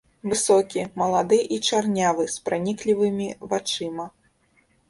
Высокі, малады і чарнявы, з праніклівымі вачыма.